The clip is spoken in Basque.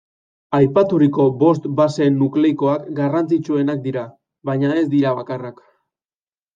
Aipaturiko bost base nukleikoak garrantzitsuenak dira, baina ez dira bakarrak.